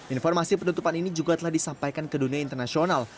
informasi penutupan ini juga telah disampaikan ke dunia internasional